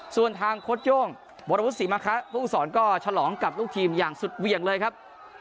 ส่วนทางโฆษโยงบรพฤศิมะคะพระอุทธศรก็ฉลองกับลูกทีมอย่างสุดเวียงเลยครับ